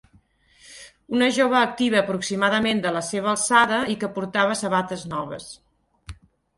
Una jove activa aproximadament de la seva alçada i que portava sabates noves.